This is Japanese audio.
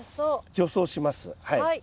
除草します。